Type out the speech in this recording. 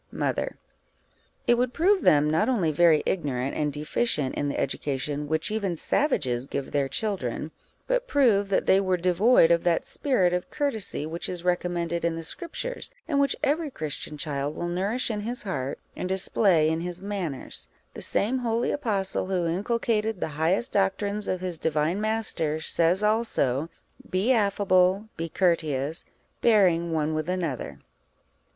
Mother. It would prove them not only very ignorant, and deficient in the education which even savages give their children, but prove that they were devoid of that spirit of courtesy which is recommended in the Scriptures, and which every Christian child will nourish in his heart and display in his manners: the same holy apostle, who inculcated the highest doctrines of his Divine Master, says also "Be affable, be courteous, bearing one with another."